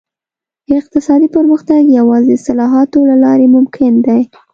اقتصادي پرمختګ یوازې د اصلاحاتو له لارې ممکن دی.